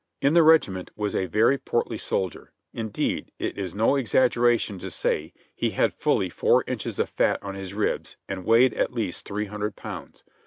In the regiment was a very portly soldier ; indeed, it is no exag geration to say he had fully four inches of fat on his ribs and weighed at least three hundred pounds.